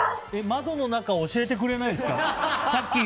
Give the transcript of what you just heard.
窓の中教えてくれないんですか？